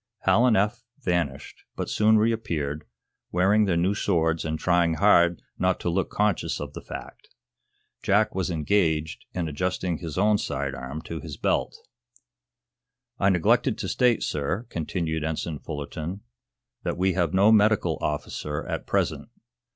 Hal and Eph vanished, but soon reappeared, wearing their new swords and trying hard not to look conscious of the fact. Jack was engaged in adjusting his own side arm to his belt. "I neglected to state, sir," continued Ensign Fullerton, "that we have no medical officer at present.